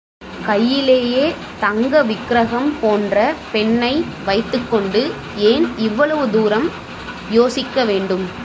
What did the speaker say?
கையிலேயே தங்க விக்ரகம் போன்ற பெண்ணை வைத்துக்கொண்டு ஏன் இவ்வளவு தூரம் யோசிக்கவேண்டும்?